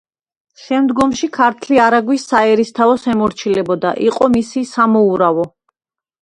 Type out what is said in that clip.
შემდგომში ჭართალი არაგვის საერისთავოს ემორჩილებოდა; იყო მისი სამოურავო.